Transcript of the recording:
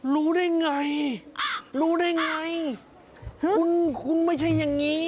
รู้ได้ไงรู้ได้ไงคุณคุณไม่ใช่อย่างนี้